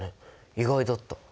意外だった。